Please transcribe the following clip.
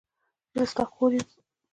زه ستا خور یم.